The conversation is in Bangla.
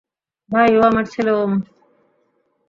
ভাই, ও আমার ছেলে ওম।